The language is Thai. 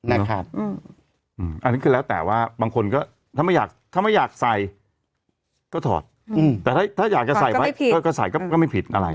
อันนี้คือแล้วแต่ว่าบางคนก็ถ้าไม่อยากใส่ก็ถอดแต่ถ้าอยากก็ใส่ก็ไม่ผิดอะไร